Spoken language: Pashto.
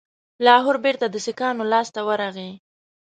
لاهور بیرته د سیکهانو لاسته ورغی.